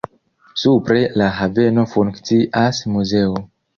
Supre la haveno funkcias muzeo.